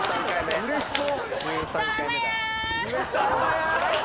・うれしそう。